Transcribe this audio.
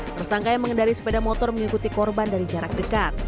tersangka yang mengendari sepeda motor mengikuti korban dari jarak dekat